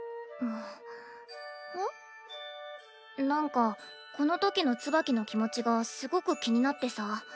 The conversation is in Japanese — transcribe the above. なんかこのときのツバキの気持ちがすごく気になってさ。